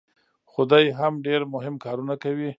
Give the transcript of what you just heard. خو دی هم ډېر مهم کارونه کوي.